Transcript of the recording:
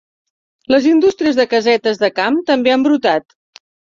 Les indústries de casetes de camp també han brotat.